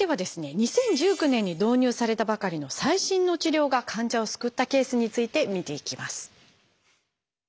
２０１９年に導入されたばかりの最新の治療が患者を救ったケースについて見ていきます。